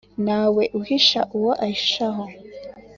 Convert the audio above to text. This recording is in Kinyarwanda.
Ntawe uhisha uwo ahishaho.